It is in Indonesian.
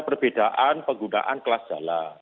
perbedaan penggunaan kelas jalan